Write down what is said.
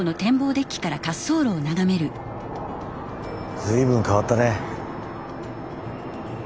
随分変わったね。